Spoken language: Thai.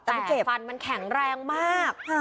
แต่ฟันมันแข็งแรงมาก